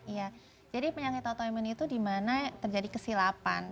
iya jadi penyakit autoimun itu dimana terjadi kesilapan